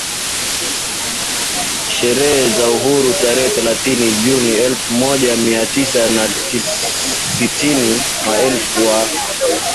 sherehe za Uhuru tarehe thelathini Juni elfu moja Mia Tisa na sitini Mfalme wa